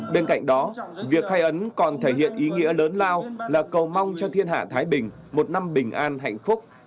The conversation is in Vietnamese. bên cạnh đó việc khai ấn còn thể hiện ý nghĩa lớn lao là cầu mong cho thiên hạ thái bình một năm bình an hạnh phúc